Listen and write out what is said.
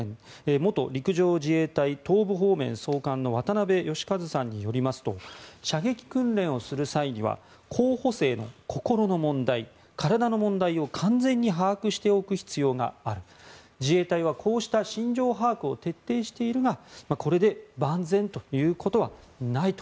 元陸上自衛隊東部方面総監の渡部悦和さんによりますと射撃訓練をする際には候補生らの心の問題体の問題を完全に把握しておく必要がある自衛隊はこうした心情把握を徹底しているがこれで万全ということはないと。